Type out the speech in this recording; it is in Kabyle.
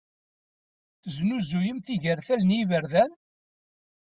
Tesnuzuyem tigertal n yebriden?